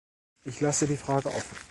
Ich lasse die Frage offen.